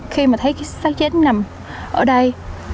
khi mà thấy sát chết nằm ở đây